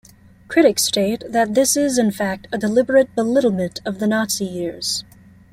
Critics state, that this is in fact a deliberate belittlement of the Nazi years.